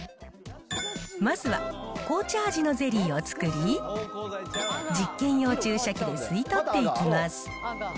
まずは紅茶味のゼリーを作り、実験用注射器で吸い取っていきます。